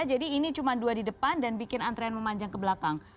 jadi ini cuma dua di depan dan bikin antrian memanjang ke belakang